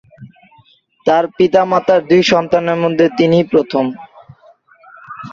তার পিতা-মাতার দুই সন্তানের মধ্যে তিনি প্রথম।